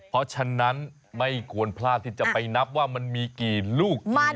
เพราะฉะนั้นไม่ควรพลาดที่จะไปนับว่ามันมีกี่ลูกกี่